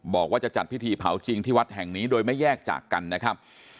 บอกว่าจะจัดพิธีเผาจริงที่วัดแห่งนี้โดยไม่แยกจากกันนะครับ